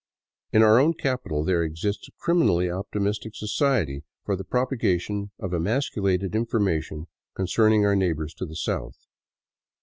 In our own capital there exists a criminally optimistic so ciety for the propagation of emasculated information concerning our neighbors to the south.